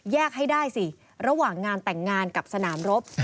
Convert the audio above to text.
ให้ได้สิระหว่างงานแต่งงานกับสนามรบ